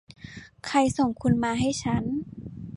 ใครส่งคุณมาให้ฉัน